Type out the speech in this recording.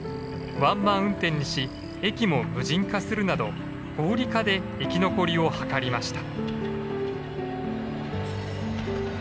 ワンマン運転にし駅も無人化するなど合理化で生き残りを図りました。